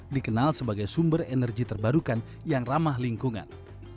dikenal sebagai sumber energi terbarukan yang ramah lingkungan